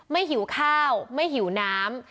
หิวข้าวไม่หิวน้ำ